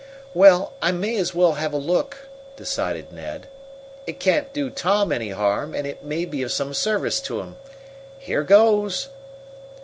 "Well, I may as well have a look," decided Ned. "It can't do Tom any harm, and it may be of some service to him. Here goes!"